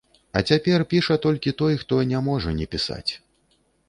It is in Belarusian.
А цяпер піша толькі той, хто не можа не пісаць.